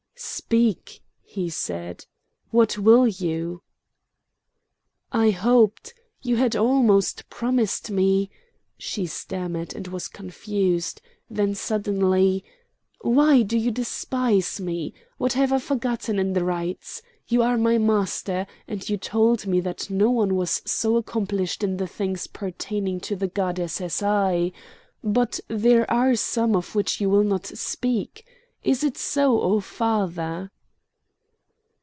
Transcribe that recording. "Speak!" he said. "What will you?" "I hoped—you had almost promised me—" She stammered and was confused; then suddenly: "Why do you despise me? what have I forgotten in the rites? You are my master, and you told me that no one was so accomplished in the things pertaining to the goddess as I; but there are some of which you will not speak. Is it so, O father?"